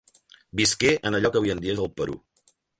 Visqué en allò que avui en dia és el Perú.